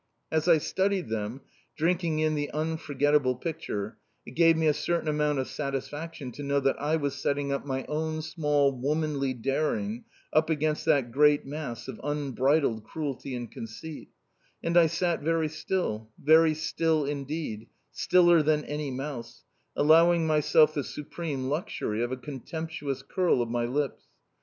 As I studied them, drinking in the unforgettable picture, it gave me a certain amount of satisfaction to know that I was setting my own small womanly daring up against that great mass of unbridled cruelty and conceit, and I sat very still, very still indeed, stiller than any mouse, allowing myself the supreme luxury of a contemptuous curl of my lips.